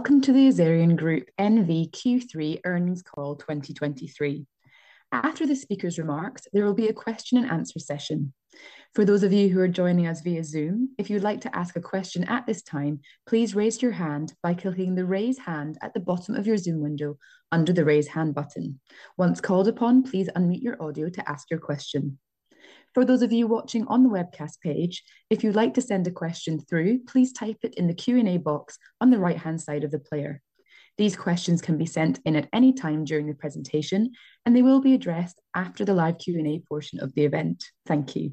Welcome to the Azerion Group N.V. Q3 Earnings Call 2023. After the speaker's remarks, there will be a question and answer session. For those of you who are joining us via Zoom, if you'd like to ask a question at this time, please raise your hand by clicking the Raise Hand at the bottom of your Zoom window under the Raise Hand button. Once called upon, please unmute your audio to ask your question. For those of you watching on the webcast page, if you'd like to send a question through, please type it in the Q&A box on the right-hand side of the player. These questions can be sent in at any time during the presentation, and they will be addressed after the live Q&A portion of the event. Thank you.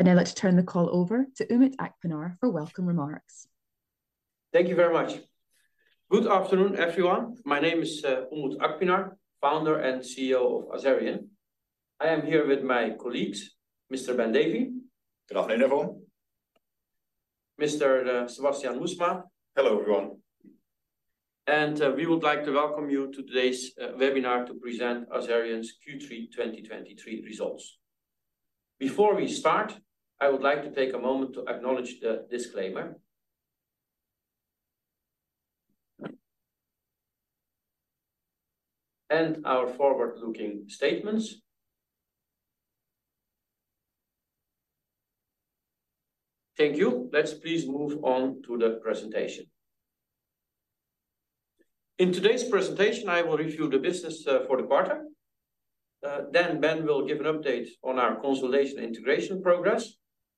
I'd now like to turn the call over to Umut Akpinar for welcome remarks. Thank you very much. Good afternoon, everyone. My name is Umut Akpinar, founder and CEO of Azerion. I am here with my colleagues, Mr. Ben Davey. Good afternoon, everyone. Mr. Sebastiaan Moesman. Hello, everyone. We would like to welcome you to today's webinar to present Azerion's Q3 2023 results. Before we start, I would like to take a moment to acknowledge the disclaimer. Our forward-looking statements. Thank you. Let's please move on to the presentation. In today's presentation, I will review the business for the quarter. Then Ben will give an update on our consolidation integration progress,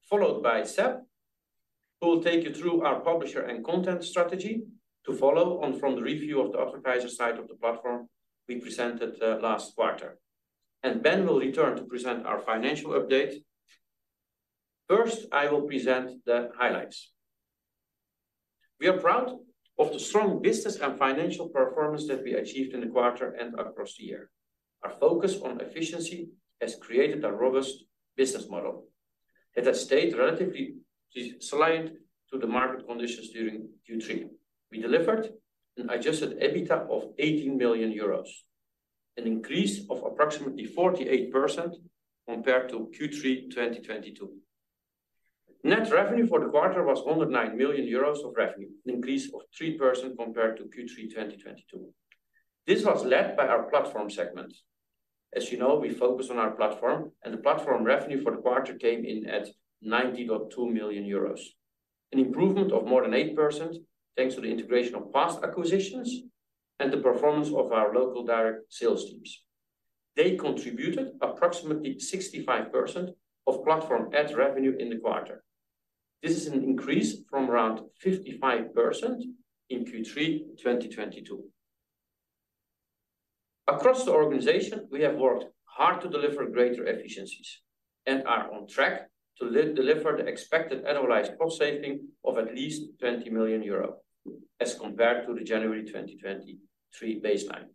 followed by Seb, who will take you through our publisher and content strategy to follow on from the review of the advertiser side of the platform we presented last quarter. And Ben will return to present our financial update. First, I will present the highlights. We are proud of the strong business and financial performance that we achieved in the quarter and across the year. Our focus on efficiency has created a robust business model that has stayed relatively resilient to the market conditions during Q3. We delivered an Adjusted EBITDA of 18 million euros, an increase of approximately 48% compared to Q3 2022. Net revenue for the quarter was 109 million euros of revenue, an increase of 3% compared to Q3 2022. This was led by our platform segment. As you know, we focus on our platform, and the platform revenue for the quarter came in at 90.2 million euros, an improvement of more than 8%, thanks to the integration of past acquisitions and the performance of our local direct sales teams. They contributed approximately 65% of platform ad revenue in the quarter. This is an increase from around 55% in Q3 2022. Across the organization, we have worked hard to deliver greater efficiencies and are on track to deliver the expected annualized cost saving of at least 20 million euro as compared to the January 2023 baseline.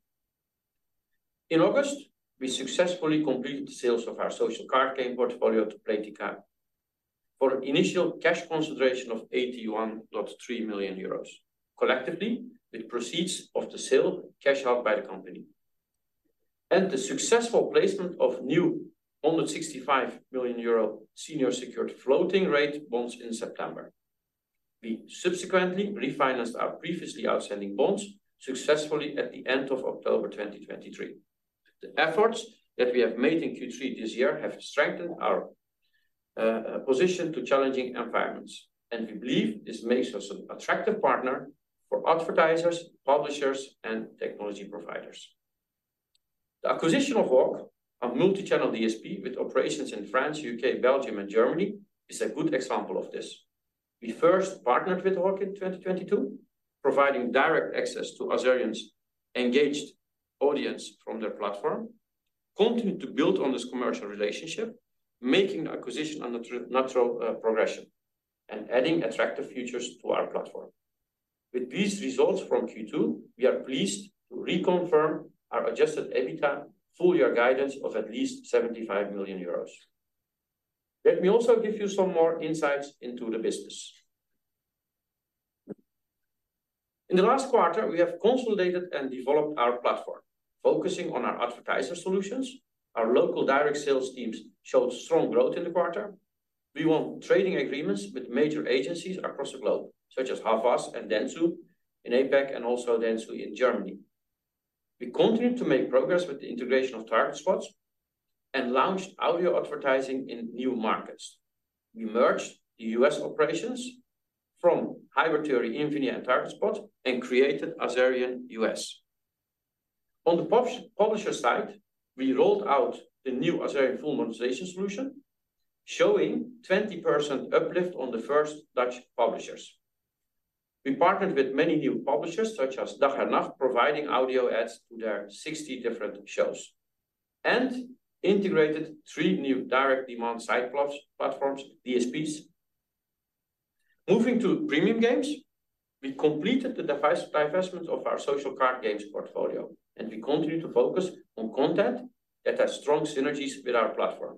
In August, we successfully completed the sales of our Social Card Game portfolio to Playtika for initial cash consideration of 81.3 million euros. Collectively, with proceeds of the sale, cash out by the company and the successful placement of new 165 million euro senior secured floating rate bonds in September. We subsequently refinanced our previously outstanding bonds successfully at the end of October 2023. The efforts that we have made in Q3 this year have strengthened our position to challenging environments, and we believe this makes us an attractive partner for advertisers, publishers, and technology providers. The acquisition of Hawk, a multi-channel DSP with operations in France, U.K., Belgium, and Germany, is a good example of this. We first partnered with Hawk in 2022, providing direct access to Azerion's engaged audience from their platform, continued to build on this commercial relationship, making the acquisition a natural, natural, progression and adding attractive features to our platform. With these results from Q2, we are pleased to reconfirm our Adjusted EBITDA full year guidance of at least 75 million euros. Let me also give you some more insights into the business. In the last quarter, we have consolidated and developed our platform, focusing on our advertiser solutions. Our local direct sales teams showed strong growth in the quarter. We won trading agreements with major agencies across the globe, such as Havas and Dentsu in APAC and also Dentsu in Germany. We continued to make progress with the integration of TargetSpot and launched audio advertising in new markets. We merged the US operations from Hybrid Theory, Infinia, and TargetSpot, and created Azerion US. On the publisher side, we rolled out the new Azerion full monetization solution, showing 20% uplift on the first Dutch publishers. We partnered with many new publishers, such as Dag en Nacht, providing audio ads to their 60 different shows, and integrated three new direct demand-side platforms, DSPs. Moving to premium games, we completed the divestment of our Social Card Games portfolio, and we continue to focus on content that has strong synergies with our platform.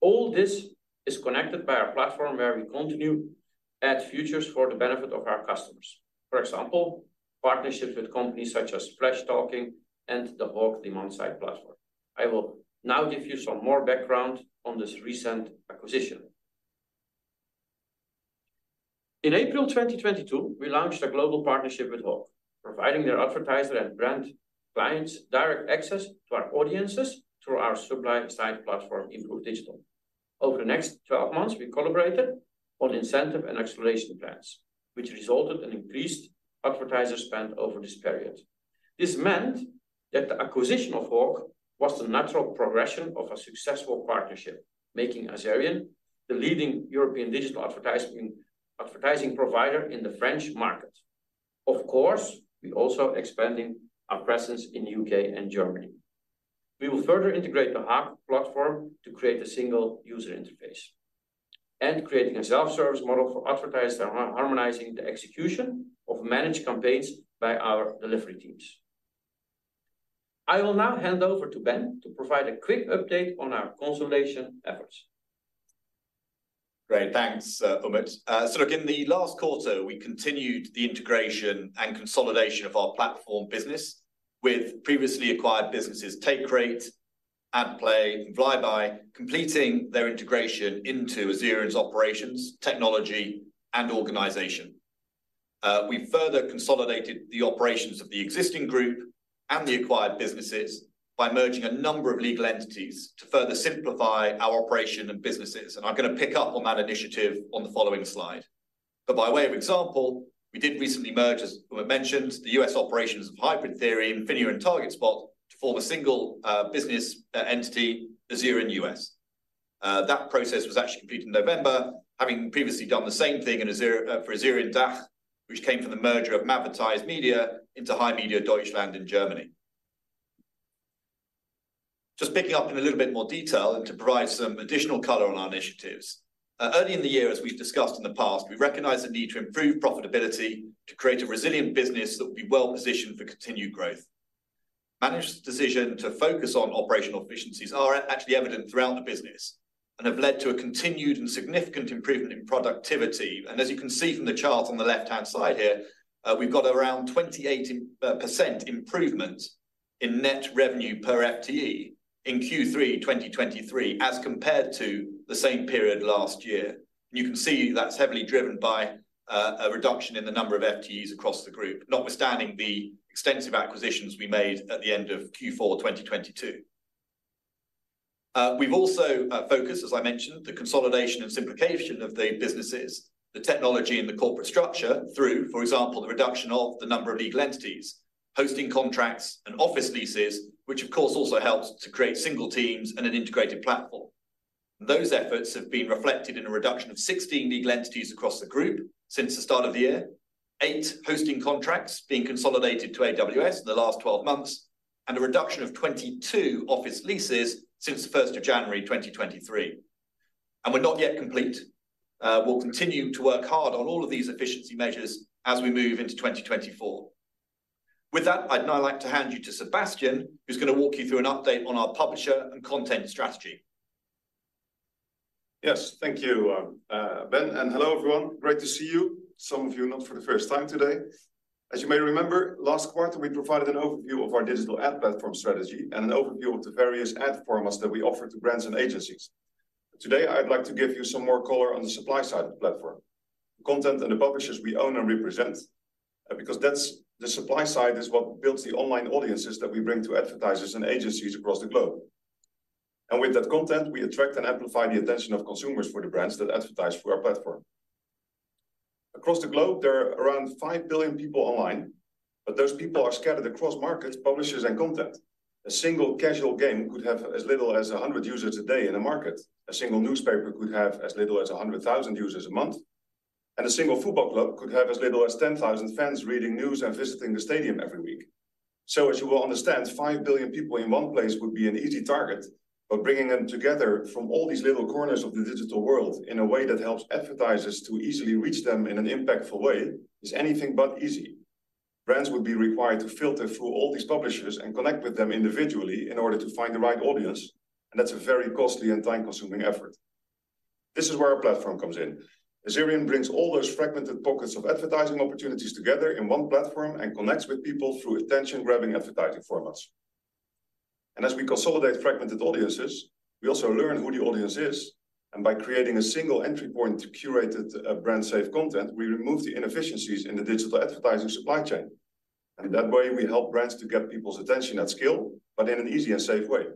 All this is connected by our platform, where we continue add features for the benefit of our customers. For example, partnerships with companies such as Flashtalking and the Hawk demand-side platform.... I will now give you some more background on this recent acquisition. In April 2022, we launched a global partnership with Hawk, providing their advertiser and brand clients direct access to our audiences through our supply-side platform, Improve Digital. Over the next 12 months, we collaborated on incentive and acceleration plans, which resulted in increased advertiser spend over this period. This meant that the acquisition of Hawk was the natural progression of a successful partnership, making Azerion the leading European digital advertising, advertising provider in the French market. Of course, we also expanding our presence in UK and Germany. We will further integrate the Hawk platform to create a single user interface, and creating a self-service model for advertisers, harmonizing the execution of managed campaigns by our delivery teams. I will now hand over to Ben to provide a quick update on our consolidation efforts. Great, thanks, Umut. So look, in the last quarter, we continued the integration and consolidation of our platform business with previously acquired businesses, TakeRate, AdPlay, and Vlyby, completing their integration into Azerion's operations, technology, and organization. We further consolidated the operations of the existing group and the acquired businesses by merging a number of legal entities to further simplify our operation and businesses, and I'm gonna pick up on that initiative on the following slide. But by way of example, we did recently merge, as Umut mentioned, the US operations of Hybrid Theory, Infinia, and TargetSpot to form a single, business, entity, Azerion US. That process was actually completed in November, having previously done the same thing in Azerion, for Azerion DACH, which came from the merger of Madvertise Media into HiMedia Deutschland in Germany. Just picking up in a little bit more detail and to provide some additional color on our initiatives. Early in the year, as we've discussed in the past, we recognized the need to improve profitability to create a resilient business that would be well-positioned for continued growth. Managed decision to focus on operational efficiencies are actually evident throughout the business and have led to a continued and significant improvement in productivity. As you can see from the chart on the left-hand side here, we've got around 28% improvement in net revenue per FTE in Q3 2023, as compared to the same period last year. You can see that's heavily driven by a reduction in the number of FTEs across the group, notwithstanding the extensive acquisitions we made at the end of Q4 2022. We've also focused, as I mentioned, on the consolidation and simplification of the businesses, the technology and the corporate structure through, for example, the reduction of the number of legal entities, hosting contracts and office leases, which of course also helps to create single teams and an integrated platform. Those efforts have been reflected in a reduction of 16 legal entities across the group since the start of the year, 8 hosting contracts being consolidated to AWS in the last 12 months, and a reduction of 22 office leases since the first of January 2023. And we're not yet complete. We'll continue to work hard on all of these efficiency measures as we move into 2024. With that, I'd now like to hand you to Sebastiaan, who's gonna walk you through an update on our publisher and content strategy. Yes, thank you, Ben, and hello, everyone. Great to see you, some of you not for the first time today. As you may remember, last quarter, we provided an overview of our digital ad platform strategy and an overview of the various ad formats that we offer to brands and agencies. Today, I'd like to give you some more color on the supply side of the platform, the content and the publishers we own and represent, because that's the supply side is what builds the online audiences that we bring to advertisers and agencies across the globe. And with that content, we attract and amplify the attention of consumers for the brands that advertise through our platform. Across the globe, there are around 5 billion people online, but those people are scattered across markets, publishers, and content. A single casual game could have as little as 100 users a day in a market. A single newspaper could have as little as 100,000 users a month, and a single football club could have as little as 10,000 fans reading news and visiting the stadium every week. So as you will understand, 5 billion people in one place would be an easy target, but bringing them together from all these little corners of the digital world in a way that helps advertisers to easily reach them in an impactful way is anything but easy. Brands would be required to filter through all these publishers and connect with them individually in order to find the right audience, and that's a very costly and time-consuming effort. This is where our platform comes in. Azerion brings all those fragmented pockets of advertising opportunities together in one platform and connects with people through attention-grabbing advertising formats. As we consolidate fragmented audiences, we also learn who the audience is, and by creating a single entry point to curated, brand-safe content, we remove the inefficiencies in the digital advertising supply chain. And that way, we help brands to get people's attention at scale, but in an easy and safe way.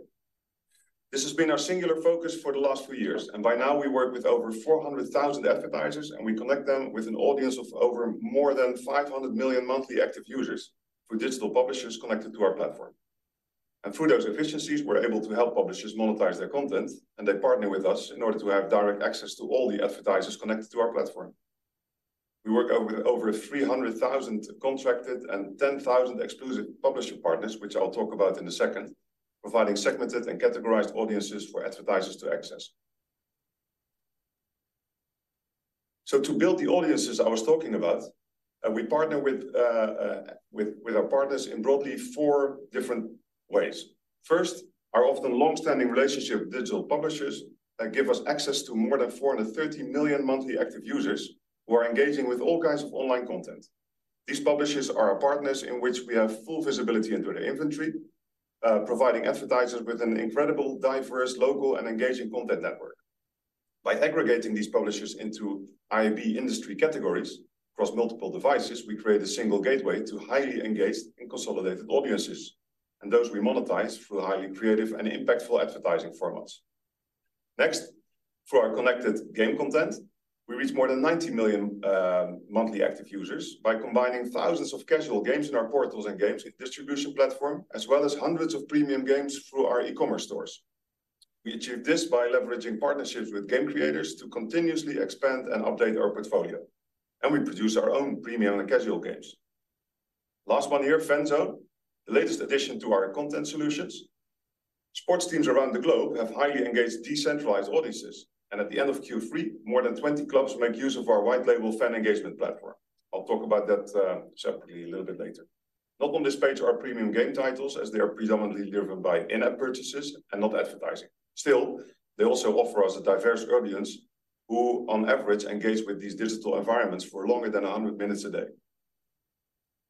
This has been our singular focus for the last few years, and by now we work with over 400,000 advertisers, and we connect them with an audience of over more than 500 million monthly active users for digital publishers connected to our platform. Through those efficiencies, we're able to help publishers monetize their content, and they partner with us in order to have direct access to all the advertisers connected to our platform. We work with over 300,000 contracted and 10,000 exclusive publisher partners, which I'll talk about in a second, providing segmented and categorized audiences for advertisers to access. To build the audiences I was talking about, we partner with our partners in broadly four different ways. First, our often long-standing relationship with digital publishers that give us access to more than 430 million monthly active users who are engaging with all kinds of online content.... These publishers are our partners in which we have full visibility into their inventory, providing advertisers with an incredible, diverse, local, and engaging content network. By aggregating these publishers into IAB industry categories across multiple devices, we create a single gateway to highly engaged and consolidated audiences, and those we monetize through highly creative and impactful advertising formats. Next, through our connected game content, we reach more than 90 million monthly active users by combining thousands of casual games in our portals and games with distribution platform, as well as hundreds of premium games through our e-commerce stores. We achieve this by leveraging partnerships with game creators to continuously expand and update our portfolio, and we produce our own premium and casual games. Last one here, FanZone, the latest addition to our content solutions. Sports teams around the globe have highly engaged, decentralized audiences, and at the end of Q3, more than 20 clubs make use of our white label fan engagement platform. I'll talk about that separately a little bit later. Not on this page are premium game titles, as they are predominantly driven by in-app purchases and not advertising. Still, they also offer us a diverse audience, who on average engage with these digital environments for longer than 100 minutes a day.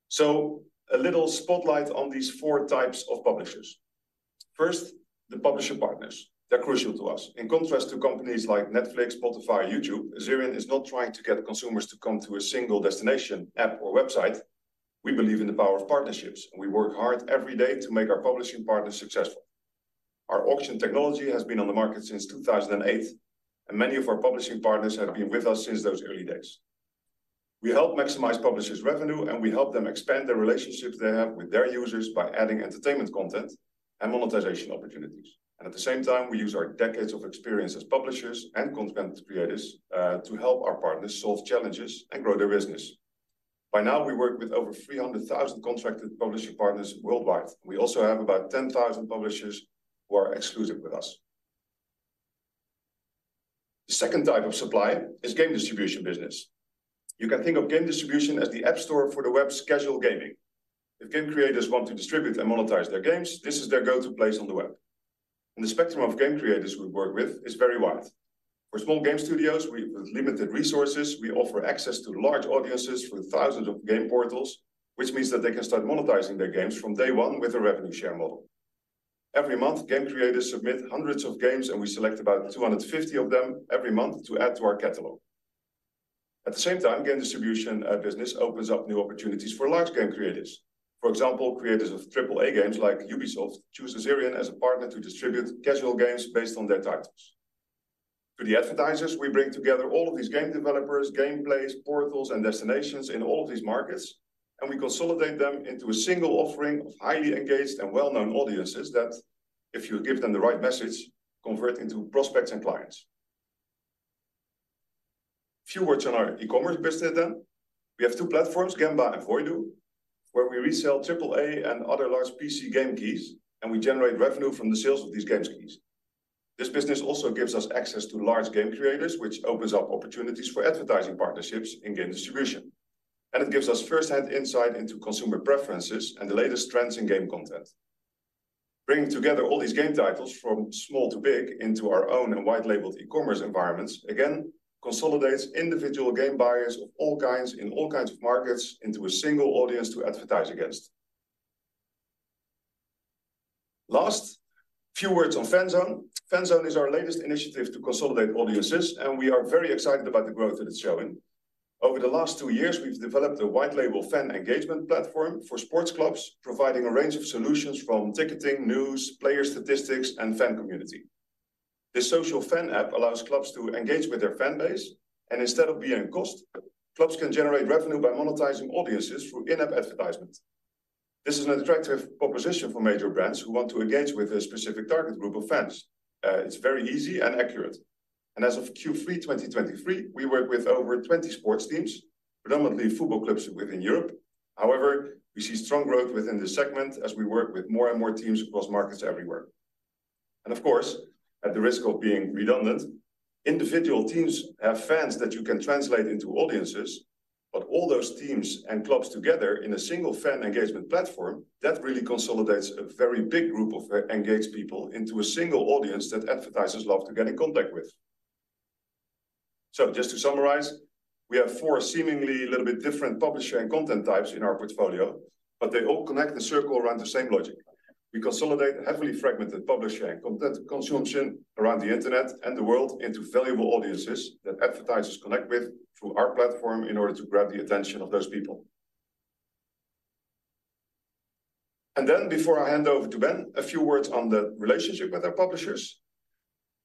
So a little spotlight on these four types of publishers. First, the publisher partners, they're crucial to us. In contrast to companies like Netflix, Spotify, or YouTube, Azerion is not trying to get consumers to come to a single destination, app, or website. We believe in the power of partnerships, and we work hard every day to make our publishing partners successful. Our auction technology has been on the market since 2008, and many of our publishing partners have been with us since those early days. We help maximize publishers' revenue, and we help them expand the relationships they have with their users by adding entertainment content and monetization opportunities. At the same time, we use our decades of experience as publishers and content creators to help our partners solve challenges and grow their business. By now, we work with over 300,000 contracted publishing partners worldwide. We also have about 10,000 publishers who are exclusive with us. The second type of supply is game distribution business. You can think of game distribution as the App Store for the web's casual gaming. If game creators want to distribute and monetize their games, this is their go-to place on the web, and the spectrum of game creators we work with is very wide. For small game studios with limited resources, we offer access to large audiences through thousands of game portals, which means that they can start monetizing their games from day one with a revenue share model. Every month, game creators submit hundreds of games, and we select about 250 of them every month to add to our catalog. At the same time, game distribution business opens up new opportunities for large game creators. For example, creators of Triple A games like Ubisoft choose Azerion as a partner to distribute casual games based on their titles. To the advertisers, we bring together all of these game developers, gameplays, portals, and destinations in all of these markets, and we consolidate them into a single offering of highly engaged and well-known audiences that, if you give them the right message, convert into prospects and clients. A few words on our e-commerce business, then. We have two platforms, Genba and Voidu, where we resell AAA and other large PC game keys, and we generate revenue from the sales of these game keys. This business also gives us access to large game creators, which opens up opportunities for advertising partnerships in game distribution, and it gives us first-hand insight into consumer preferences and the latest trends in game content. Bringing together all these game titles, from small to big, into our own and white-labeled e-commerce environments, again, consolidates individual game buyers of all kinds in all kinds of markets into a single audience to advertise against. Last, a few words on FanZone. FanZone is our latest initiative to consolidate audiences, and we are very excited about the growth that it's showing. Over the last two years, we've developed a white label fan engagement platform for sports clubs, providing a range of solutions from ticketing, news, player statistics, and fan community. This social fan app allows clubs to engage with their fan base, and instead of being a cost, clubs can generate revenue by monetizing audiences through in-app advertisements. This is an attractive proposition for major brands who want to engage with a specific target group of fans. It's very easy and accurate. As of Q3 2023, we work with over 20 sports teams, predominantly football clubs within Europe. However, we see strong growth within this segment as we work with more and more teams across markets everywhere. And of course, at the risk of being redundant, individual teams have fans that you can translate into audiences, but all those teams and clubs together in a single fan engagement platform, that really consolidates a very big group of engaged people into a single audience that advertisers love to get in contact with. So just to summarize, we have four seemingly little bit different publisher and content types in our portfolio, but they all connect the circle around the same logic. We consolidate heavily fragmented publisher and content consumption around the internet and the world into valuable audiences that advertisers connect with through our platform in order to grab the attention of those people. And then, before I hand over to Ben, a few words on the relationship with our publishers.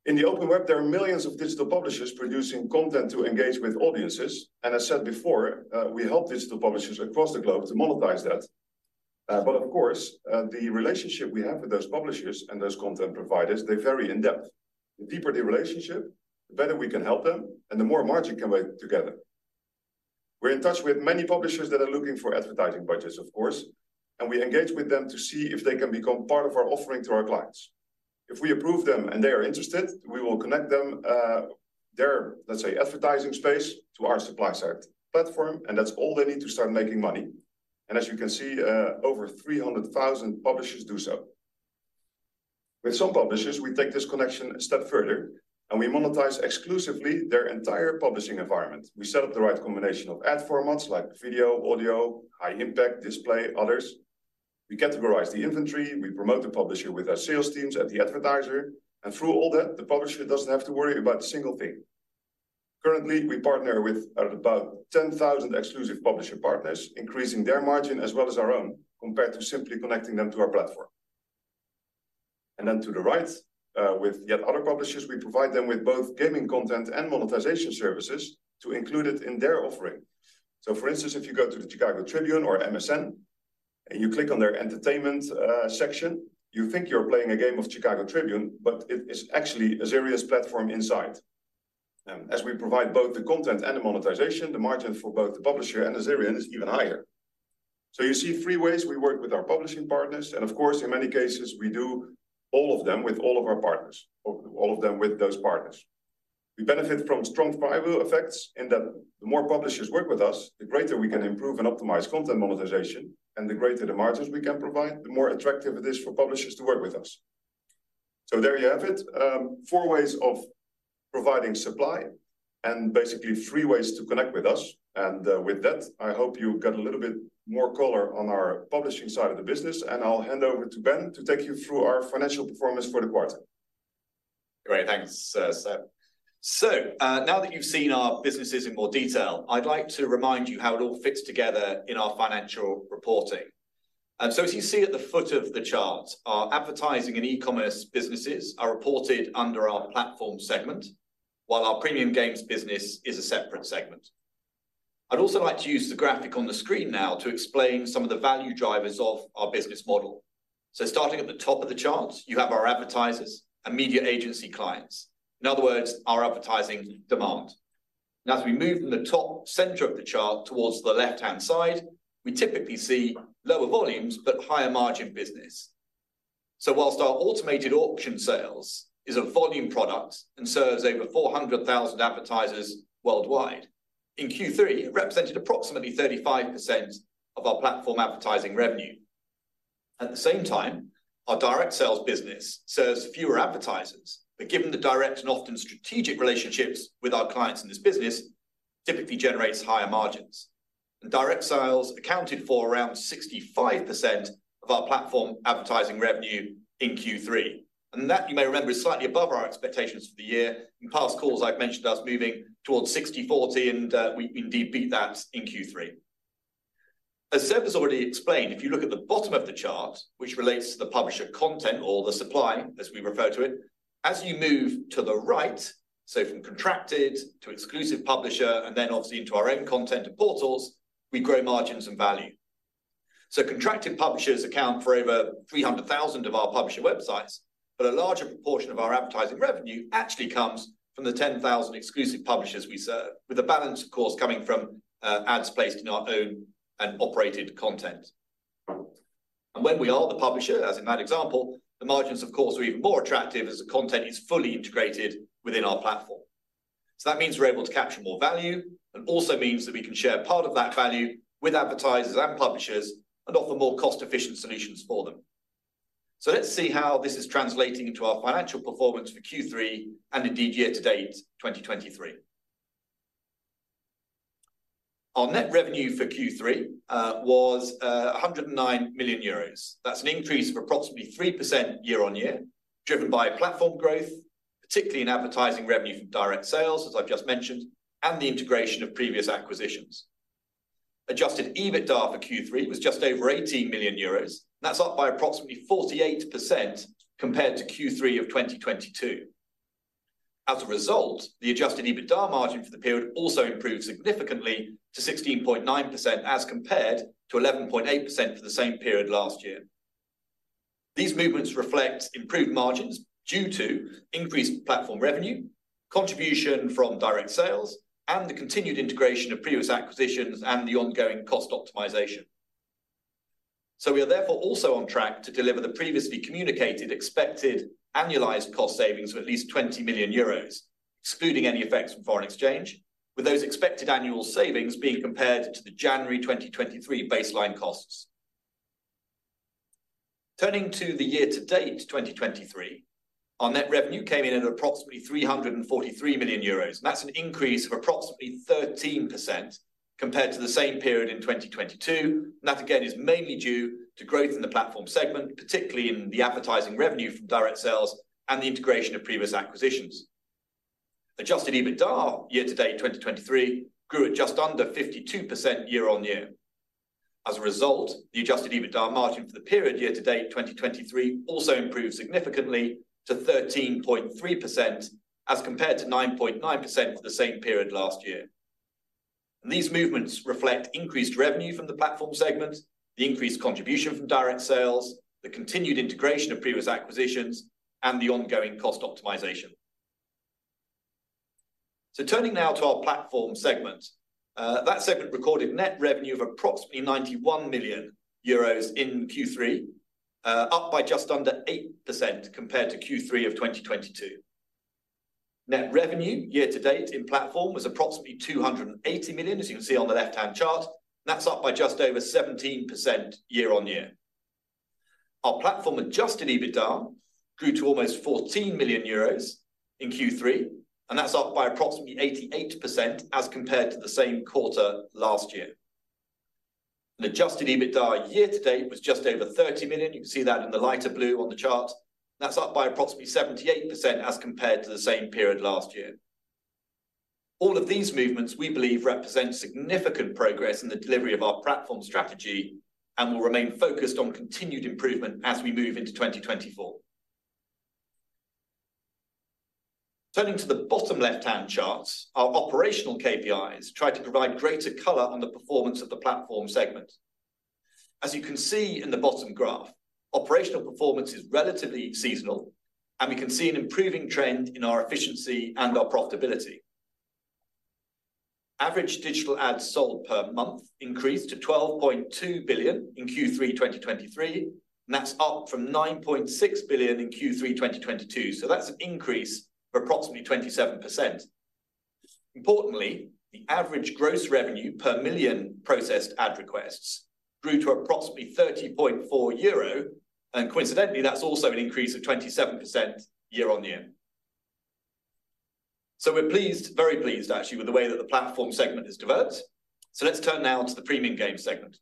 In the open web, there are millions of digital publishers producing content to engage with audiences, and as said before, we help digital publishers across the globe to monetize that. But of course, the relationship we have with those publishers and those content providers, they vary in depth. The deeper the relationship, the better we can help them, and the more margin come by together. We're in touch with many publishers that are looking for advertising budgets, of course, and we engage with them to see if they can become part of our offering to our clients. If we approve them and they are interested, we will connect them, their, let's say, advertising space to our supply-side platform, and that's all they need to start making money. And as you can see, over 300,000 publishers do so.... With some publishers, we take this connection a step further, and we monetize exclusively their entire publishing environment. We set up the right combination of ad formats like video, audio, high impact, display, others. We categorize the inventory, we promote the publisher with our sales teams and the advertiser, and through all that, the publisher doesn't have to worry about a single thing. Currently, we partner with about 10,000 exclusive publisher partners, increasing their margin as well as our own, compared to simply connecting them to our platform. And then to the right, with yet other publishers, we provide them with both gaming content and monetization services to include it in their offering. So, for instance, if you go to the Chicago Tribune or MSN, and you click on their entertainment, section, you think you're playing a game of Chicago Tribune, but it is actually a serious platform inside. As we provide both the content and the monetization, the margin for both the publisher and Azerion is even higher. So you see three ways we work with our publishing partners, and of course, in many cases, we do all of them with all of our partners, or all of them with those partners. We benefit from strong flywheel effects in that the more publishers work with us, the greater we can improve and optimize content monetization, and the greater the margins we can provide, the more attractive it is for publishers to work with us. So there you have it, four ways of providing supply and basically three ways to connect with us. And, with that, I hope you got a little bit more color on our publishing side of the business, and I'll hand over to Ben to take you through our financial performance for the quarter. Great. Thanks, Seb. So, now that you've seen our businesses in more detail, I'd like to remind you how it all fits together in our financial reporting. So as you see at the foot of the chart, our advertising and e-commerce businesses are reported under our platform segment, while our premium games business is a separate segment. I'd also like to use the graphic on the screen now to explain some of the value drivers of our business model. So starting at the top of the chart, you have our advertisers and media agency clients, in other words, our advertising demand. Now, as we move from the top center of the chart towards the left-hand side, we typically see lower volumes, but higher margin business. While our automated auction sales is a volume product and serves over 400,000 advertisers worldwide, in Q3, it represented approximately 35% of our platform advertising revenue. At the same time, our direct sales business serves fewer advertisers, but given the direct and often strategic relationships with our clients in this business, typically generates higher margins. Direct sales accounted for around 65% of our platform advertising revenue in Q3, and that, you may remember, is slightly above our expectations for the year. In past calls, I've mentioned us moving towards 60/40, and we indeed beat that in Q3. As Seb has already explained, if you look at the bottom of the chart, which relates to the publisher content or the supply, as we refer to it, as you move to the right, so from contracted to exclusive publisher, and then obviously into our own content and portals, we grow margins and value. So contracted publishers account for over 300,000 of our publisher websites, but a larger proportion of our advertising revenue actually comes from the 10,000 exclusive publishers we serve, with the balance, of course, coming from ads placed in our own and operated content. And when we are the publisher, as in that example, the margins, of course, are even more attractive as the content is fully integrated within our platform. So that means we're able to capture more value, and also means that we can share part of that value with advertisers and publishers and offer more cost-efficient solutions for them. So let's see how this is translating into our financial performance for Q3 and indeed year-to-date, 2023. Our Net Revenue for Q3 was 109 million euros. That's an increase of approximately 3% year-on-year, driven by platform growth, particularly in advertising revenue from direct sales, as I've just mentioned, and the integration of previous acquisitions. Adjusted EBITDA for Q3 was just over 80 million euros, and that's up by approximately 48% compared to Q3 of 2022. As a result, the Adjusted EBITDA margin for the period also improved significantly to 16.9%, as compared to 11.8% for the same period last year. These movements reflect improved margins due to increased platform revenue, contribution from direct sales, and the continued integration of previous acquisitions and the ongoing cost optimization. So we are therefore also on track to deliver the previously communicated expected annualized cost savings of at least 20 million euros, excluding any effects from foreign exchange, with those expected annual savings being compared to the January 2023 baseline costs. Turning to the year-to-date 2023, our net revenue came in at approximately 343 million euros, and that's an increase of approximately 13% compared to the same period in 2022. And that, again, is mainly due to growth in the platform segment, particularly in the advertising revenue from direct sales and the integration of previous acquisitions. Adjusted EBITDA, year-to-date 2023, grew at just under 52% year-on-year. As a result, the Adjusted EBITDA margin for the period, year-to-date 2023, also improved significantly to 13.3%, as compared to 9.9% for the same period last year. These movements reflect increased revenue from the platform segment, the increased contribution from direct sales, the continued integration of previous acquisitions, and the ongoing cost optimization. So turning now to our platform segment, that segment recorded net revenue of approximately 91 million euros in Q3, up by just under 8% compared to Q3 of 2022. Net revenue year to date in platform was approximately 280 million, as you can see on the left-hand chart, and that's up by just over 17% year on year. Our platform Adjusted EBITDA grew to almost 14 million euros in Q3, and that's up by approximately 88% as compared to the same quarter last year. The Adjusted EBITDA year to date was just over 30 million. You can see that in the lighter blue on the chart. That's up by approximately 78% as compared to the same period last year. All of these movements, we believe, represent significant progress in the delivery of our platform strategy and will remain focused on continued improvement as we move into 2024. Turning to the bottom left-hand charts, our operational KPIs try to provide greater color on the performance of the platform segment. As you can see in the bottom graph, operational performance is relatively seasonal, and we can see an improving trend in our efficiency and our profitability. Average digital ads sold per month increased to 12.2 billion in Q3 2023, and that's up from 9.6 billion in Q3 2022. So that's an increase of approximately 27%. Importantly, the average gross revenue per million processed ad requests grew to approximately 30.4 euro, and coincidentally, that's also an increase of 27% year on year. So we're pleased, very pleased actually, with the way that the platform segment has developed. So let's turn now to the premium games segment.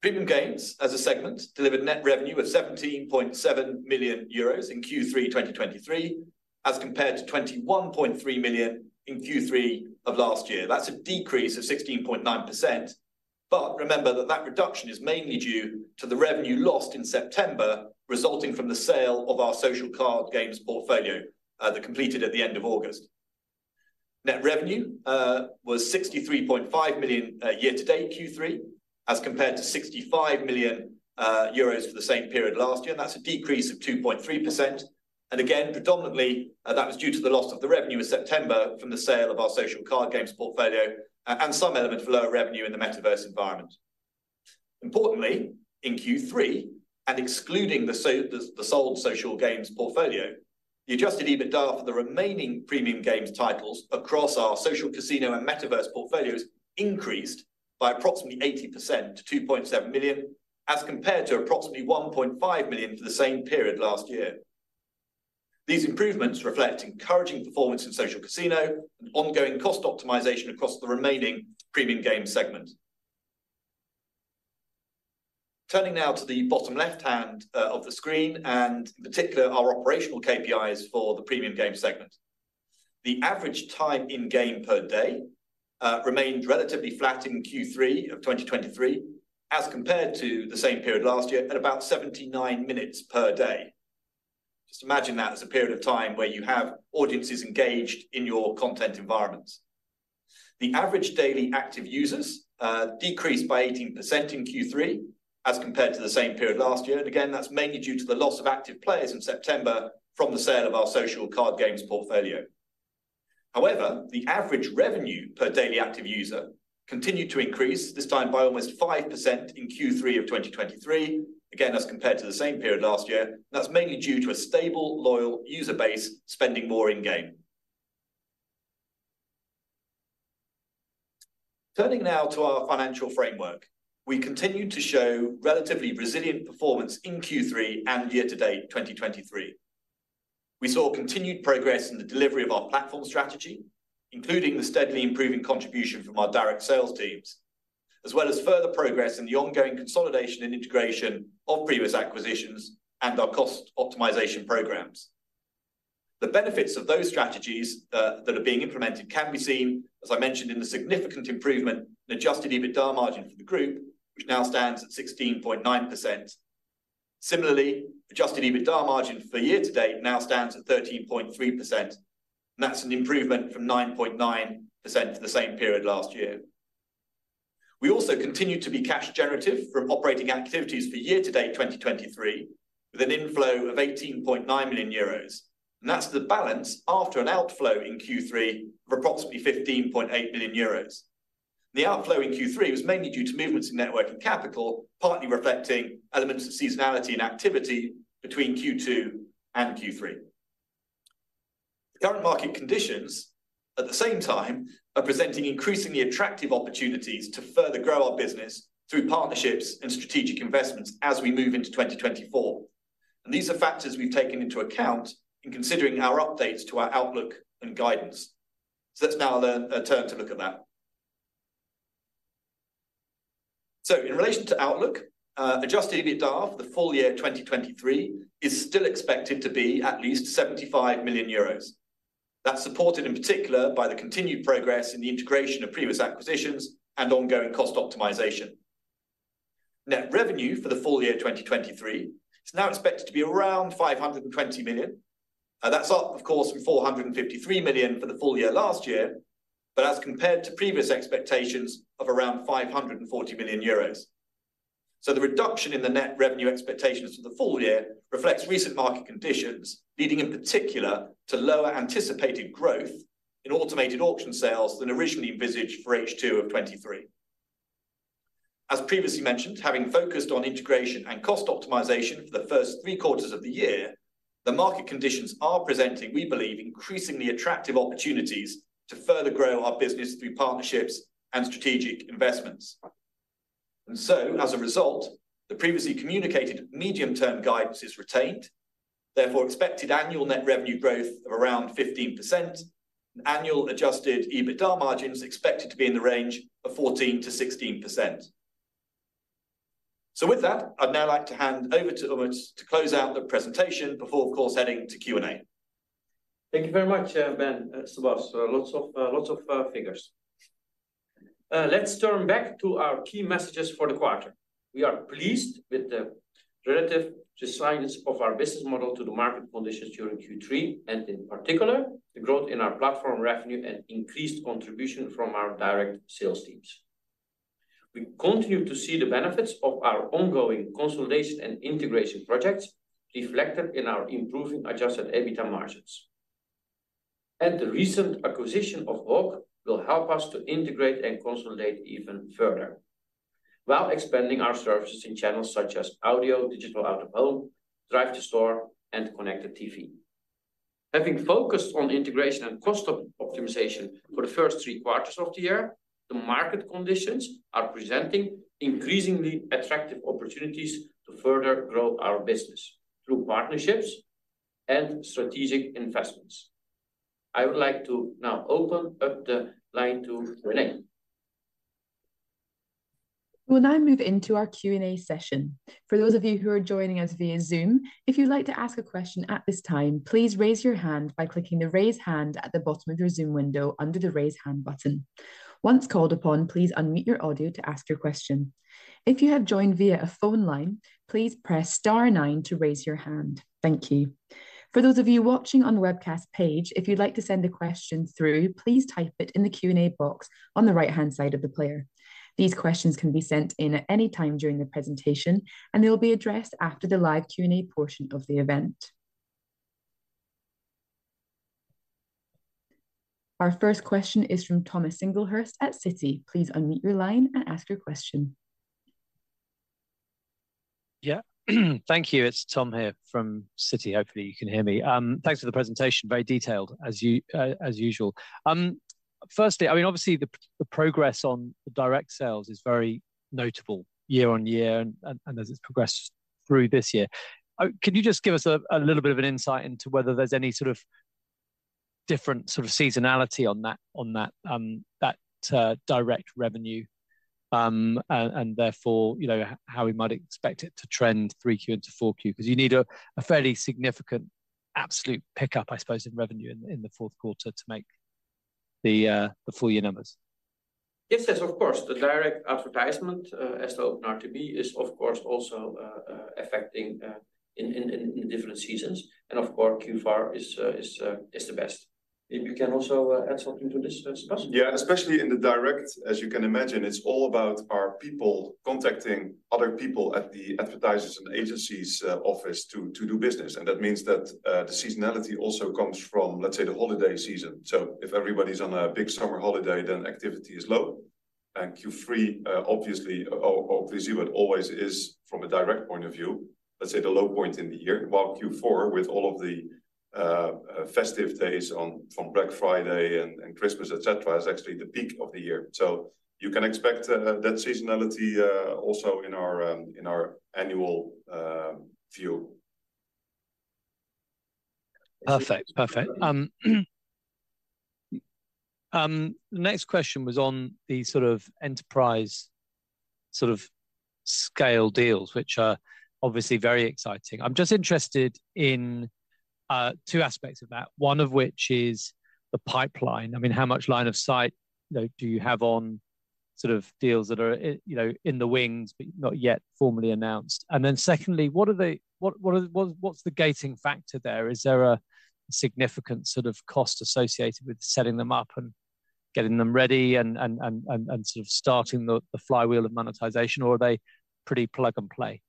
Premium games, as a segment, delivered net revenue of 17.7 million euros in Q3 2023, as compared to 21.3 million in Q3 of last year. That's a decrease of 16.9%, but remember that, that reduction is mainly due to the revenue lost in September, resulting from the sale of our social card games portfolio, that completed at the end of August. Net revenue was 63.5 million year to date Q3, as compared to 65 million euros for the same period last year, and that's a decrease of 2.3%. And again, predominantly, that was due to the loss of the revenue in September from the sale of our social card games portfolio and some element of lower revenue in the metaverse environment. Importantly, in Q3, and excluding the sold social games portfolio, the adjusted EBITDA for the remaining premium games titles across our social casino and metaverse portfolios increased by approximately 80% to 2.7 million, as compared to approximately 1.5 million for the same period last year. These improvements reflect encouraging performance in social casino and ongoing cost optimization across the remaining premium game segment. Turning now to the bottom left-hand of the screen, and in particular, our operational KPIs for the premium game segment. The average time in game per day remained relatively flat in Q3 of 2023, as compared to the same period last year at about 79 minutes per day. Just imagine that as a period of time where you have audiences engaged in your content environments. The average daily active users decreased by 18% in Q3, as compared to the same period last year, and again, that's mainly due to the loss of active players in September from the sale of our social card games portfolio. However, the average revenue per daily active user continued to increase, this time by almost 5% in Q3 of 2023, again, as compared to the same period last year. That's mainly due to a stable, loyal user base spending more in-game. Turning now to our financial framework, we continued to show relatively resilient performance in Q3 and year to date, 2023. We saw continued progress in the delivery of our platform strategy, including the steadily improving contribution from our direct sales teams, as well as further progress in the ongoing consolidation and integration of previous acquisitions and our cost optimization programs. The benefits of those strategies that are being implemented can be seen, as I mentioned, in the significant improvement in Adjusted EBITDA margin for the group, which now stands at 16.9%. Similarly, Adjusted EBITDA margin for year to date now stands at 13.3%, and that's an improvement from 9.9% for the same period last year. We also continued to be cash generative from operating activities for year to date, 2023, with an inflow of 18.9 million euros, and that's the balance after an outflow in Q3 of approximately 15.8 billion euros. The outflow in Q3 was mainly due to movements in net working capital, partly reflecting elements of seasonality and activity between Q2 and Q3. The current market conditions, at the same time, are presenting increasingly attractive opportunities to further grow our business through partnerships and strategic investments as we move into 2024, and these are factors we've taken into account in considering our updates to our outlook and guidance. So let's now turn to look at that. So in relation to outlook, adjusted EBITDA for the full year 2023 is still expected to be at least 75 million euros. That's supported in particular by the continued progress in the integration of previous acquisitions and ongoing cost optimization. Net revenue for the full year 2023 is now expected to be around 520 million. Now, that's up, of course, from 453 million for the full year last year, but as compared to previous expectations of around 540 million euros. So the reduction in the net revenue expectations for the full year reflects recent market conditions, leading in particular to lower anticipated growth in automated auction sales than originally envisaged for H2 of 2023. As previously mentioned, having focused on integration and cost optimization for the first three quarters of the year, the market conditions are presenting, we believe, increasingly attractive opportunities to further grow our business through partnerships and strategic investments. And so, as a result, the previously communicated medium-term guidance is retained, therefore, expected annual net revenue growth of around 15%, and annual Adjusted EBITDA margins expected to be in the range of 14%-16%. So with that, I'd now like to hand over to Umut to close out the presentation before, of course, heading to Q&A. Thank you very much, Ben, Sebas. Lots of figures. Let's turn back to our key messages for the quarter. We are pleased with the relative resilience of our business model to the market conditions during Q3, and in particular, the growth in our platform revenue and increased contribution from our direct sales teams. We continue to see the benefits of our ongoing consolidation and integration projects reflected in our improving Adjusted EBITDA margins. The recent acquisition of Hawk will help us to integrate and consolidate even further, while expanding our services in channels such as audio, digital out-of-home, drive-to-store, and connected TV. Having focused on integration and cost optimization for the first three quarters of the year, the market conditions are presenting increasingly attractive opportunities to further grow our business through partnerships and strategic investments. I would like to now open up the line to Renee. We'll now move into our Q&A session. For those of you who are joining us via Zoom, if you'd like to ask a question at this time, please raise your hand by clicking the Raise Hand at the bottom of your Zoom window under the Raise Hand button. Once called upon, please unmute your audio to ask your question. If you have joined via a phone line, please press star nine to raise your hand. Thank you. For those of you watching on the webcast page, if you'd like to send a question through, please type it in the Q&A box on the right-hand side of the player. These questions can be sent in at any time during the presentation, and they will be addressed after the live Q&A portion of the event. Our first question is from Thomas Singlehurst at Citi. Please unmute your line and ask your question. Yeah. Thank you. It's Tom here from Citi. Hopefully, you can hear me. Thanks for the presentation. Very detailed, as usual. Firstly, I mean, obviously, the progress on the direct sales is very notable year-on-year and as it's progressed through this year. Can you just give us a little bit of an insight into whether there's any sort of different sort of seasonality on that direct revenue and therefore, you know, how we might expect it to trend Q3 into Q4? Because you need a fairly significant absolute pickup, I suppose, in revenue in the fourth quarter to make the full year numbers. Yes, yes, of course. The direct advertisement, as the OpenRTB is, of course, also affecting in different seasons, and of course, Q4 is the best. If you can also add something to this, Sebas. Yeah, especially in the direct, as you can imagine, it's all about our people contacting other people at the advertisers' and agencies' office to do business. And that means that the seasonality also comes from, let's say, the holiday season. So if everybody's on a big summer holiday, then activity is low, and Q3, obviously, but always is from a direct point of view, let's say, the low point in the year. While Q4, with all of the festive days on, from Black Friday and Christmas, et cetera, is actually the peak of the year. So you can expect that seasonality also in our in our annual view. Perfect. Perfect. The next question was on the sort of enterprise sort of scale deals, which are obviously very exciting. I'm just interested in two aspects of that, one of which is the pipeline. I mean, how much line of sight, you know, do you have on sort of deals that are in, you know, in the wings, but not yet formally announced? And then secondly, what is the gating factor there? Is there a significant sort of cost associated with setting them up and getting them ready and sort of starting the flywheel of monetization, or are they pretty plug and play?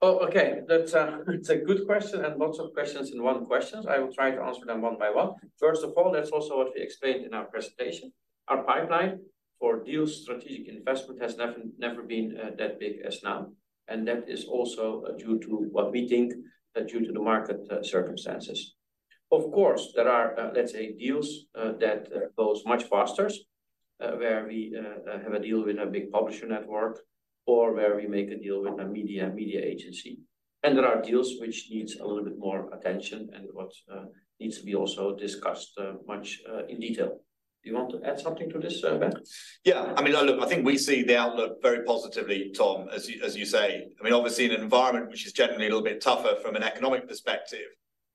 Oh, okay. That's, it's a good question and lots of questions in one questions. I will try to answer them one by one. First of all, that's also what we explained in our presentation. Our pipeline for deal strategic investment has never, never been, that big as now, and that is also due to what we think that due to the market, circumstances. Of course, there are, let's say, deals, that, goes much faster, where we, have a deal with a big publisher network or where we make a deal with a media, media agency. And there are deals which needs a little bit more attention and what, needs to be also discussed, much, in detail. Do you want to add something to this, Ben? Yeah. I mean, look, I think we see the outlook very positively, Tom, as you say. I mean, obviously, in an environment which is generally a little bit tougher from an economic perspective,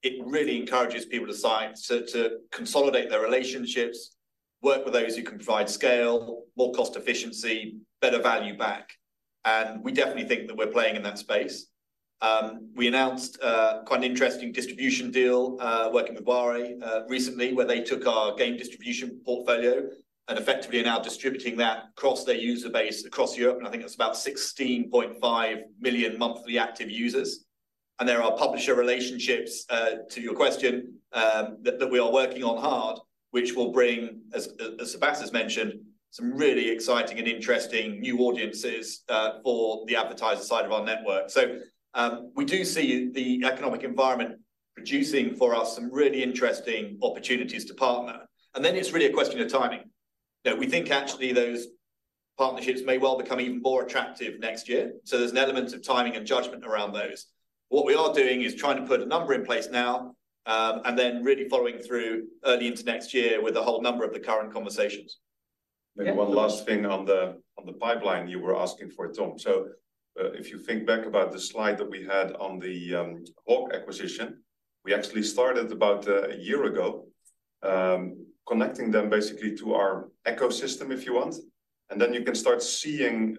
it really encourages people to consolidate their relationships, work with those who can provide scale, more cost efficiency, better value back, and we definitely think that we're playing in that space. We announced quite an interesting distribution deal working with Bari recently, where they took our game distribution portfolio and effectively are now distributing that across their user base across Europe, and I think it's about 16.5 million monthly active users. There are publisher relationships to your question that we are working on hard, which will bring, as Sebas has mentioned, some really exciting and interesting new audiences for the advertiser side of our network. We do see the economic environment producing for us some really interesting opportunities to partner, and then it's really a question of timing. That we think actually those partnerships may well become even more attractive next year, so there's an element of timing and judgment around those. What we are doing is trying to put a number in place now, and then really following through early into next year with a whole number of the current conversations. Maybe one last thing on the pipeline you were asking for, Tom. So, if you think back about the slide that we had on the Hawk acquisition, we actually started about a year ago connecting them basically to our ecosystem, if you want, and then you can start seeing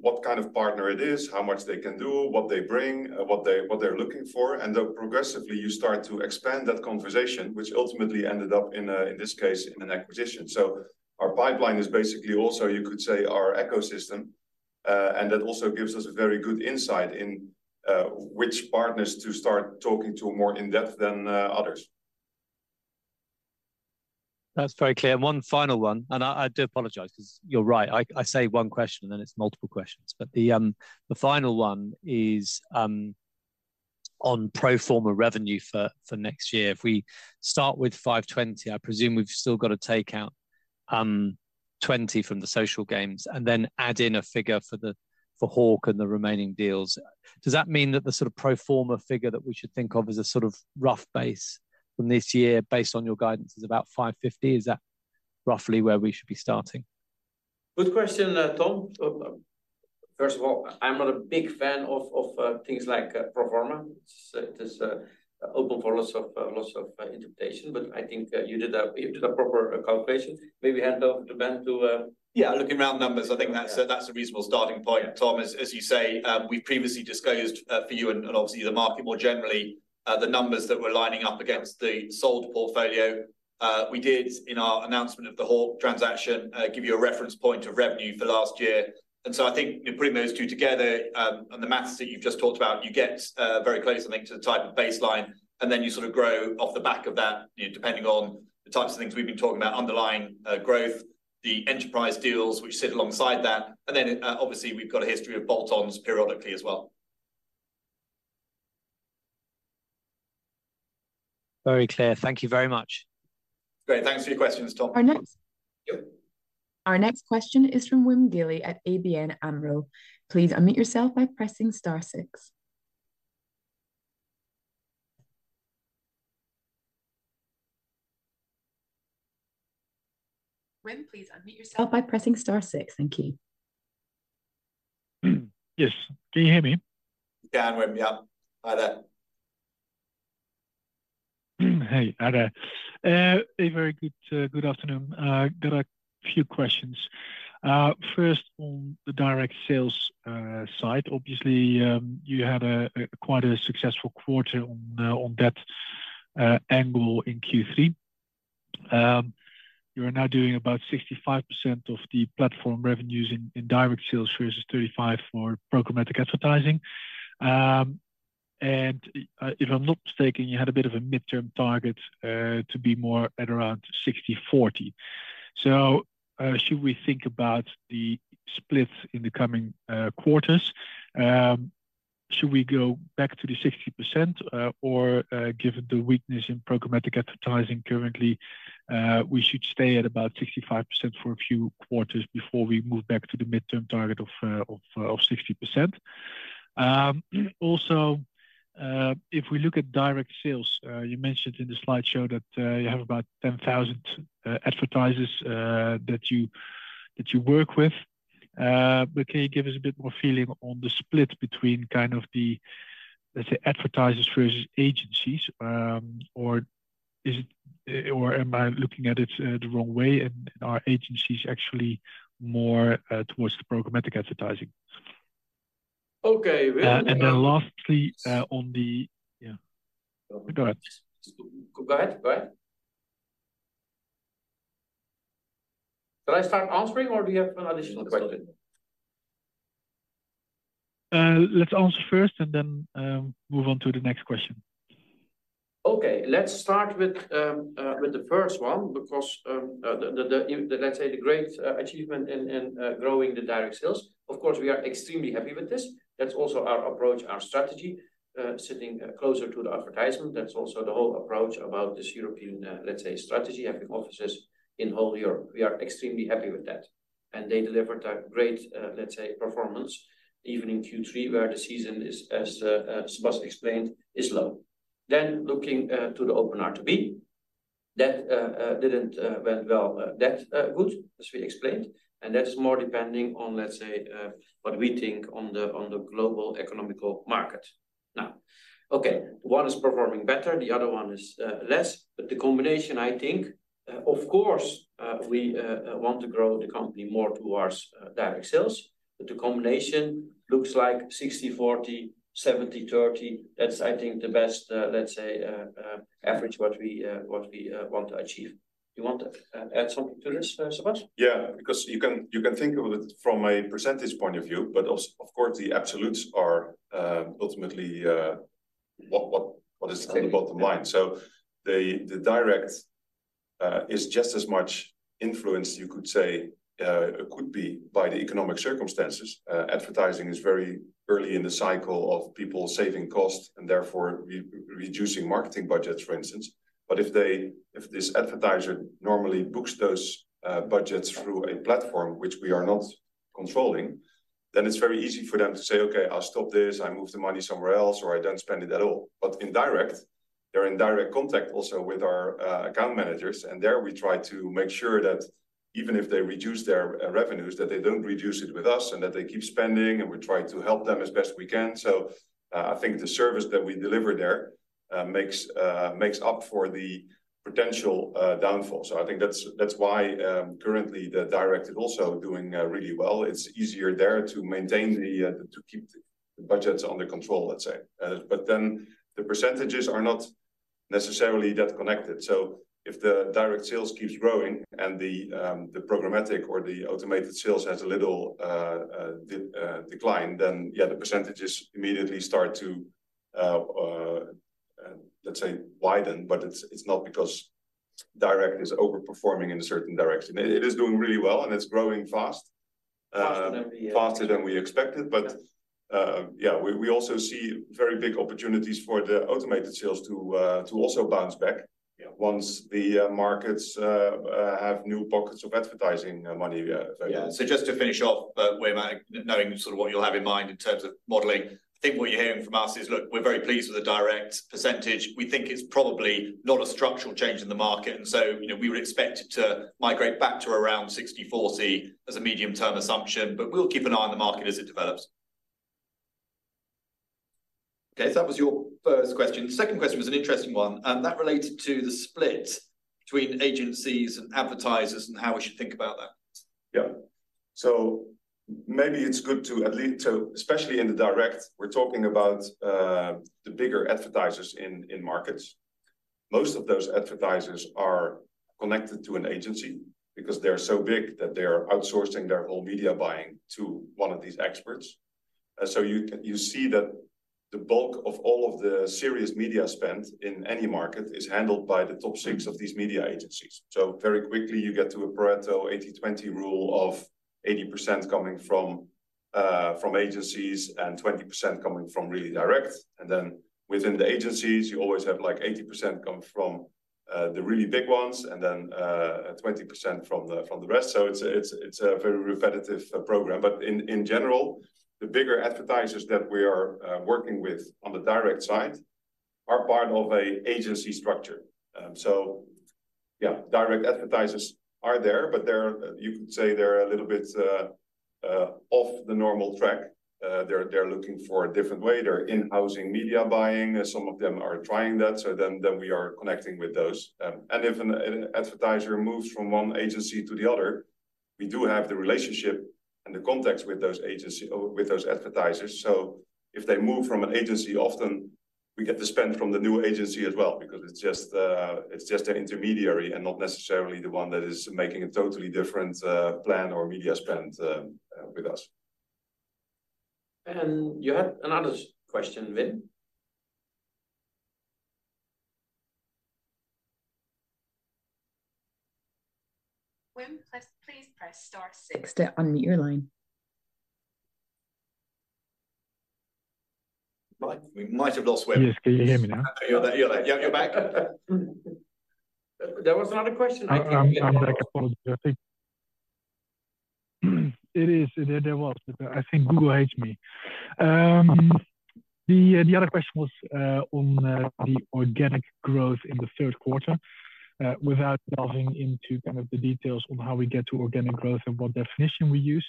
what kind of partner it is, how much they can do, what they bring, what they, what they're looking for. And then progressively, you start to expand that conversation, which ultimately ended up in a, in this case, in an acquisition. So our pipeline is basically also, you could say, our ecosystem, and that also gives us a very good insight in which partners to start talking to more in-depth than others. That's very clear. And one final one, and I do apologize 'cause you're right. I say one question, and then it's multiple questions. But the final one is on pro forma revenue for next year. If we start with 520 million, I presume we've still got to take out 20 million from the social games and then add in a figure for the Hawk and the remaining deals. Does that mean that the sort of pro forma figure that we should think of as a sort of rough base from this year, based on your guidance, is about 550 million? Is that roughly where we should be starting? Good question, Tom. First of all, I'm not a big fan of things like pro forma. It is open for lots of interpretation, but I think you did a proper calculation. Maybe hand off to Ben to- Yeah, looking round numbers, I think that's a, that's a reasonable starting point, Tom. As, as you say, we previously disclosed, for you and, and obviously the market more generally, the numbers that we're lining up against the sold portfolio. We did, in our announcement of the Hawk transaction, give you a reference point of revenue for last year. And so I think bringing those two together, and the maths that you've just talked about, you get, very close, I think, to the type of baseline, and then you sort of grow off the back of that, you know, depending on the types of things we've been talking about, underlying, growth, the enterprise deals which sit alongside that, and then, obviously, we've got a history of bolt-ons periodically as well. Very clear. Thank you very much. Great. Thanks for your questions, Tom. Our next- Yeah. Our next question is from Wim Gille at ABN AMRO. Please unmute yourself by pressing star six. Wim, please unmute yourself by pressing star six. Thank you. Yes, can you hear me? Yeah, Wim. Yeah. Hi there. Hey, hi there. A very good afternoon. There are a few questions. First, on the direct sales side, obviously, you had quite a successful quarter on that angle in Q3. You are now doing about 65% of the platform revenues in direct sales versus 35% for programmatic advertising. And if I'm not mistaken, you had a bit of a midterm target to be more at around 60/40. So, should we think about the split in the coming quarters? Should we go back to the 60%, or given the weakness in programmatic advertising currently, we should stay at about 65% for a few quarters before we move back to the midterm target of 60%? Also, if we look at direct sales, you mentioned in the slideshow that you have about 10,000 advertisers that you work with. But can you give us a bit more feeling on the split between kind of the, let's say, advertisers versus agencies? Or is it- or am I looking at it the wrong way, and are agencies actually more towards the programmatic advertising? Okay, Wim- And then lastly, on the... Yeah, go ahead. Go ahead. Go ahead. Should I start answering, or do you have an additional question? Let's answer first and then move on to the next question. Okay, let's start with the first one, because the great achievement in growing the direct sales. Of course, we are extremely happy with this. That's also our approach, our strategy, sitting closer to the advertisement. That's also the whole approach about this European strategy, having offices in whole Europe. We are extremely happy with that, and they delivered a great performance, even in Q3, where the season is, as Sebas explained, low. Then, looking to the OpenRTB, that didn't go well that good, as we explained, and that is more depending on what we think on the global economical market. Now, okay, one is performing better, the other one is less, but the combination, I think, of course, we want to grow the company more towards direct sales, but the combination looks like 60/40, 70/30. That's, I think, the best, let's say, average what we what we want to achieve. You want to add something to this, Sebas? Yeah, because you can, you can think of it from a percentage point of view, but of course, the absolutes are, ultimately, what is in the bottom line. So the direct is just as much influence you could say, could be by the economic circumstances. Advertising is very early in the cycle of people saving costs and therefore re-reducing marketing budgets, for instance. But if this advertiser normally books those budgets through a platform which we are not controlling, then it's very easy for them to say, "Okay, I'll stop this. I move the money somewhere else, or I don't spend it at all." But in direct, they're in direct contact also with our account managers, and there we try to make sure that even if they reduce their revenues, that they don't reduce it with us, and that they keep spending, and we try to help them as best we can. So, I think the service that we deliver there makes up for the potential downfall. So I think that's why currently the direct is also doing really well. It's easier there to maintain the to keep the budgets under control, let's say. But then the percentages are not necessarily that connected. So if the direct sales keeps growing and the programmatic or the automated sales has a little decline, then, yeah, the percentages immediately start to, let's say, widen. But it's, it's not because direct is overperforming in a certain direction. It is doing really well, and it's growing fast. Faster than we expected. -faster than we expected. But, yeah, we also see very big opportunities for the automated sales to also bounce back- Yeah. Once the markets have new pockets of advertising money. Yeah, so- Yeah. So just to finish off, but we're not knowing sort of what you'll have in mind in terms of modeling. I think what you're hearing from us is, look, we're very pleased with the direct percentage. We think it's probably not a structural change in the market, and so, you know, we would expect it to migrate back to around 60/40 as a medium-term assumption, but we'll keep an eye on the market as it develops. Okay, so that was your first question. Second question was an interesting one, and that related to the split between agencies and advertisers and how we should think about that. Yeah. So maybe it's good to at least, so especially in the direct, we're talking about the bigger advertisers in markets. Most of those advertisers are connected to an agency because they're so big that they're outsourcing their whole media buying to one of these experts. So you can, you see that the bulk of all of the serious media spend in any market is handled by the top 6 of these media agencies. So very quickly, you get to a Pareto 80/20 rule of 80% coming from agencies and 20% coming from really direct. And then, within the agencies, you always have, like, 80% coming from the really big ones, and then 20% from the rest. So it's a very repetitive program, but in general, the bigger advertisers that we are working with on the direct side are part of an agency structure. So yeah, direct advertisers are there, but they're... You could say they're a little bit off the normal track. They're looking for a different way. They're in-housing media buying, and some of them are trying that, so then we are connecting with those. And if an advertiser moves from one agency to the other, we do have the relationship and the context with those agency or with those advertisers. So if they move from an agency, often we get the spend from the new agency as well, because it's just, it's just an intermediary and not necessarily the one that is making a totally different, plan or media spend, with us. You had another question, Wim? Wim, please, please press star six to unmute your line. Well, we might have lost Wim. Yes, can you hear me now? You're there. You're back. There was another question, I think. I apologize. I think it is there, but I think Google hates me. The other question was on the organic growth in the third quarter. Without delving into kind of the details on how we get to organic growth and what definition we use...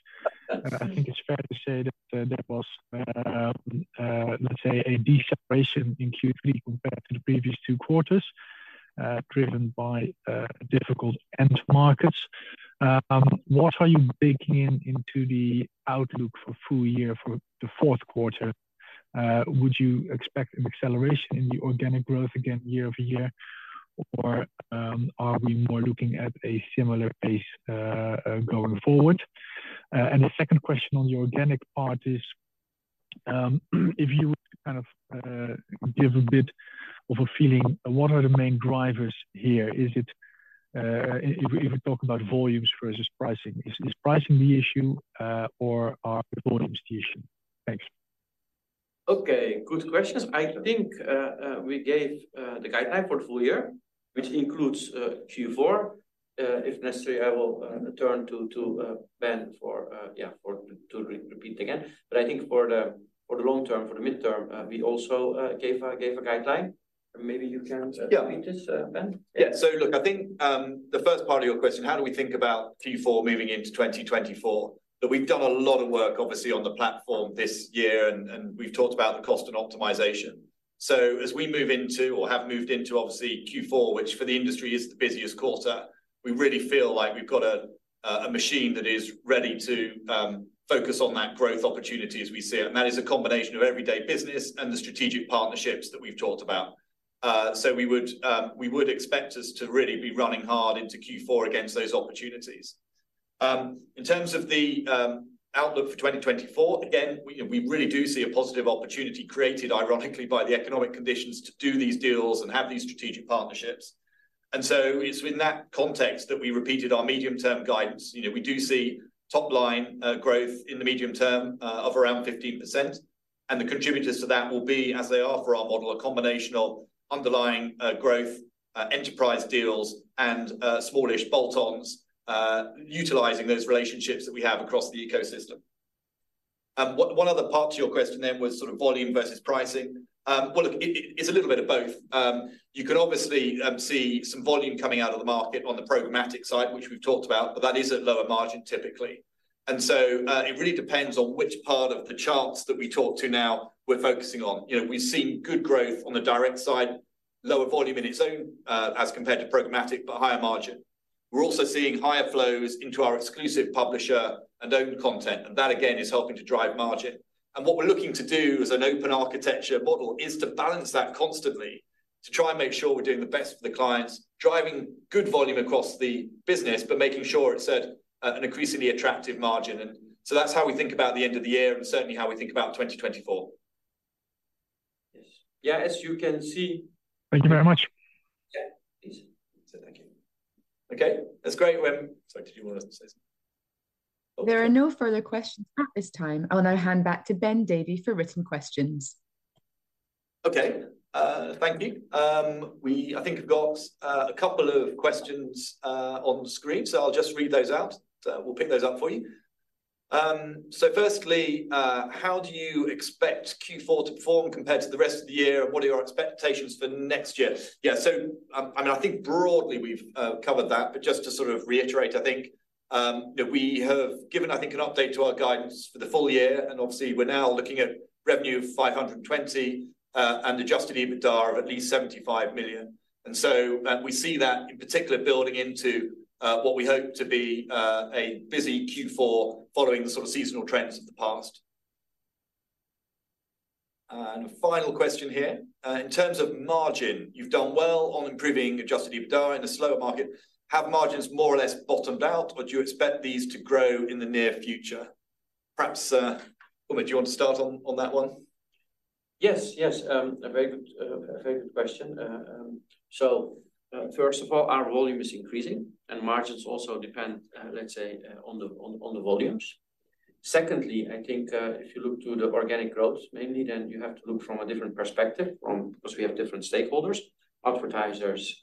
I think it's fair to say that there was, let's say, a deceleration in Q3 compared to the previous two quarters, driven by difficult end markets. What are you baking in into the outlook for full year for the fourth quarter? Would you expect an acceleration in the organic growth again year-over-year, or are we more looking at a similar pace going forward? And the second question on the organic part is, if you would kind of give a bit of a feeling, what are the main drivers here? Is it, if we talk about volumes versus pricing, is pricing the issue, or are volumes the issue? Thanks. Okay, good questions. I think we gave the guideline for full year, which includes Q4. If necessary, I will turn to Ben for yeah, for to repeat again. But I think for the long term, for the midterm, we also gave a guideline. Maybe you can- Yeah. Repeat this, Ben. Yeah. So look, I think, the first part of your question, how do we think about Q4 moving into 2024? But we've done a lot of work, obviously, on the platform this year, and, and we've talked about the cost and optimization. So as we move into or have moved into, obviously Q4, which for the industry is the busiest quarter, we really feel like we've got a, a machine that is ready to, focus on that growth opportunity as we see it, and that is a combination of everyday business and the strategic partnerships that we've talked about. So we would, we would expect us to really be running hard into Q4 against those opportunities. In terms of the outlook for 2024, again, we really do see a positive opportunity created ironically by the economic conditions to do these deals and have these strategic partnerships. And so it's in that context that we repeated our medium-term guidance. You know, we do see top line growth in the medium term of around 15%, and the contributors to that will be, as they are for our model, a combination of underlying growth, enterprise deals and smallish bolt-ons utilizing those relationships that we have across the ecosystem. One other part to your question then was sort of volume versus pricing. Well, look, it, it's a little bit of both. You can obviously see some volume coming out of the market on the programmatic side, which we've talked about, but that is at lower margin typically. And so, it really depends on which part of the charts that we talk to now we're focusing on. You know, we've seen good growth on the direct side, lower volume in its own, as compared to programmatic, but higher margin. We're also seeing higher flows into our exclusive publisher and owned content, and that again, is helping to drive margin. And what we're looking to do as an open architecture model is to balance that constantly, to try and make sure we're doing the best for the clients, driving good volume across the business, but making sure it's at, an increasingly attractive margin. So that's how we think about the end of the year and certainly how we think about 2024. Yes. Yeah, as you can see. Thank you very much. Yeah, please. So thank you. Okay, that's great. Sorry, did you want to say something? There are no further questions at this time. I'll now hand back to Ben Davey for written questions. Okay, thank you. We—I think we've got a couple of questions on the screen, so I'll just read those out. We'll pick those up for you. So firstly, how do you expect Q4 to perform compared to the rest of the year, and what are your expectations for next year? Yeah, so, I mean, I think broadly we've covered that, but just to sort of reiterate, I think that we have given, I think, an update to our guidance for the full year, and obviously, we're now looking at revenue of 520 million and Adjusted EBITDA of at least 75 million. And so, we see that in particular building into what we hope to be a busy Q4, following the sort of seasonal trends of the past. And a final question here. In terms of margin, you've done well on improving Adjusted EBITDA in a slower market. Have margins more or less bottomed out, or do you expect these to grow in the near future? Perhaps, Umut, do you want to start on that one? Yes, yes, a very good, a very good question. So, first of all, our volume is increasing, and margins also depend, let's say, on the volumes. Secondly, I think, if you look to the organic growth, mainly, then you have to look from a different perspective, because we have different stakeholders, advertisers,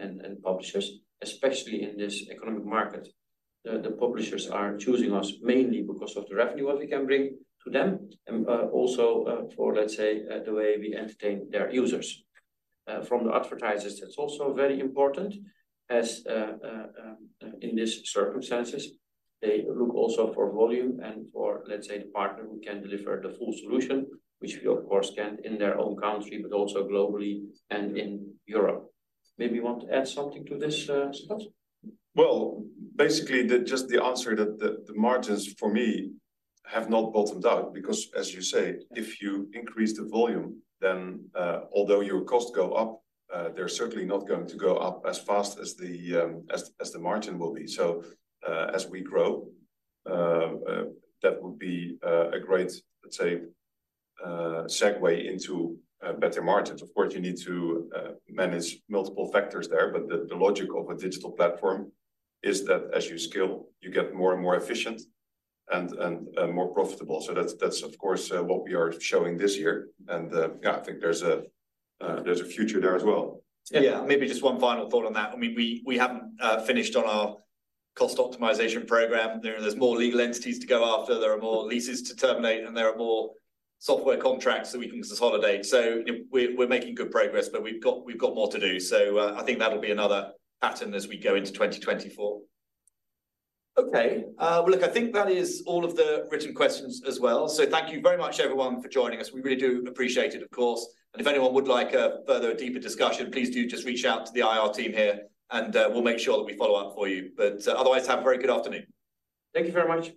and publishers, especially in this economic market. The publishers are choosing us mainly because of the revenue what we can bring to them, and also, for, let's say, the way we entertain their users. From the advertisers, that's also very important, as in these circumstances, they look also for volume and for, let's say, the partner who can deliver the full solution, which we of course can in their own country, but also globally and in Europe. Maybe you want to add something to this, Sebastiaan? Well, basically, just the answer that the margins for me have not bottomed out because, as you say, if you increase the volume, then although your costs go up, they're certainly not going to go up as fast as the margin will be. So, as we grow, that would be a great, let's say, segue into better margins. Of course, you need to manage multiple factors there, but the logic of a digital platform is that as you scale, you get more and more efficient and more profitable. So that's of course what we are showing this year. And yeah, I think there's a future there as well. Yeah. Maybe just one final thought on that. I mean, we haven't finished on our cost optimization program. There's more legal entities to go after, there are more leases to terminate, and there are more software contracts that we can consolidate. So we're making good progress, but we've got more to do. So I think that'll be another pattern as we g o into 2024. Okay, well, look, I think that is all of the written questions as well. So thank you very much, everyone, for joining us. We really do appreciate it, of course. And if anyone would like a further deeper discussion, please do just reach out to the IR team here, and we'll make sure that we follow up for you. But otherwise, have a very good afternoon. Thank you very much.